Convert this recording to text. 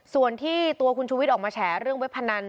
ส่วนที่ตัวคุณชูวิทย์ออกมาแฉเรื่องเว็บพนัน